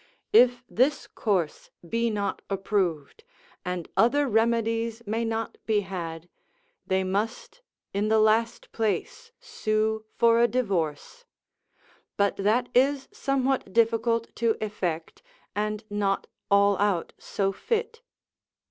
If this course be not approved, and other remedies may not be had, they must in the last place sue for a divorce; but that is somewhat difficult to effect, and not all out so fit.